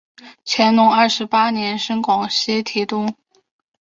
乾隆二十八年升广西提督。